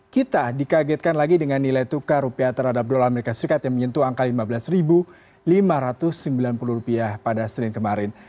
kita dikagetkan lagi dengan nilai tukar rupiah terhadap dolar as yang menyentuh angka lima belas lima ratus sembilan puluh rupiah pada sering kemarin